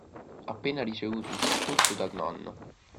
Appena ricevuto il soccorso dal nonno